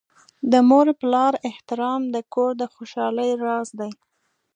د مور پلار احترام د کور د خوشحالۍ راز دی.